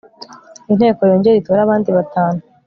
inteko yongere itore abandi batanu